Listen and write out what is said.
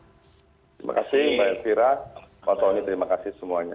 terima kasih pak elvira pak sonny terima kasih semuanya